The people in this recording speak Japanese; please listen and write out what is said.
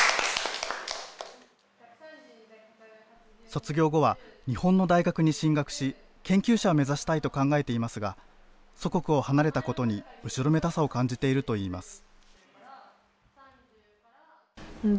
卒業後は日本の大学に進学し研究者を目指したいと考えていますが祖国を離れたことに後ろめたさを感じているといいます。